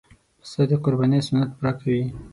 پسه د قربانۍ سنت پوره کوي.